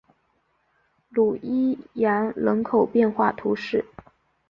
努伊扬人口变化图示